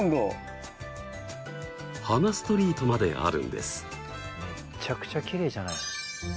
花ストリートまであるんです。